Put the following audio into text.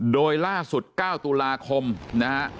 โดยล่าสุด๙ตุลาคมนะฮะ